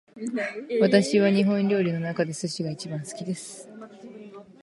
私は日本料理の中で寿司が一番好きです